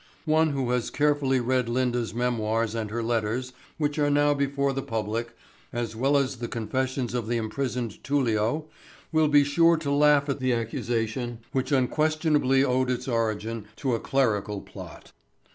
One who has carefully read Linda's memoirs and her letters, which are now before the public, as well as the confessions of the imprisoned Tullio, will be sure to laugh at the accusation, which unquestionably owed its origin to a clerical plot.